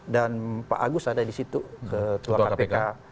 dan pak agus ada di situ ketua kpk